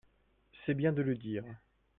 C’est bien de le dire